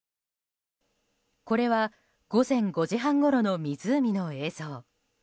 これは、午前５時半ごろの湖の映像。